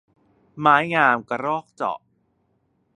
ไม้งามกระรอกเจาะ